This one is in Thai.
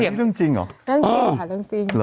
เวลาเรื่องจริงหรอ